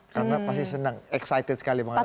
karena pasti senang excited sekali